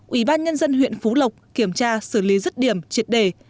ủy ban nhân dân huyện phú lộc kiểm tra xử lý rứt điểm triệt đề